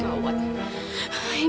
dia pasti menang